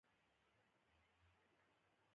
ایا د بوی حس مو کار کوي؟